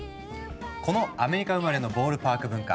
このアメリカ生まれのボールパーク文化